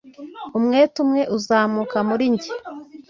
umwete umwe uzamuka muri njye